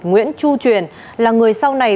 nguyễn chu truyền là người sau này